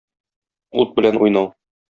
Ут белән уйнау.